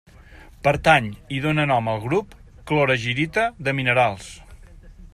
Pertany i dóna nom al grup clorargirita de minerals.